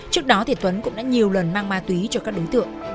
trước đó tuấn cũng đã nhiều lần mang ma túy cho các đối tượng